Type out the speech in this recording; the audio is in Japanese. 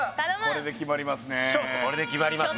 これで決まりますね